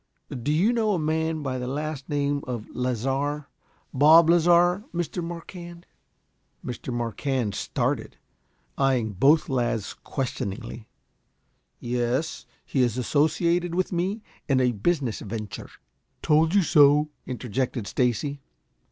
"Do you know a man by the name of Lasar Bob Lasar, Mr. Marquand?" Mr. Marquand started, eyeing both lads questioningly. "Yes; he is associated with me in a business venture." "Told you so," interjected Stacy.